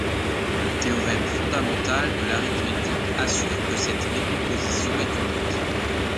Le théorème fondamental de l'arithmétique assure que cette décomposition est unique.